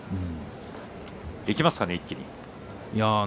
いけますかね、一気に。